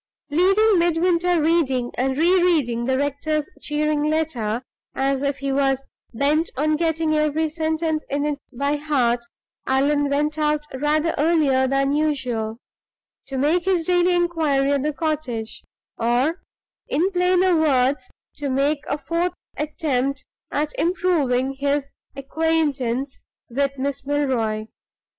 Leaving Midwinter reading and re reading the rector's cheering letter, as if he was bent on getting every sentence in it by heart, Allan went out rather earlier than usual, to make his daily inquiry at the cottage or, in plainer words, to make a fourth attempt at improving his acquaintance with Miss Milroy.